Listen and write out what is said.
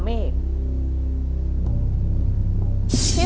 ขอบคุณครับ